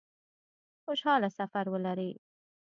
خوشحاله سفر ولري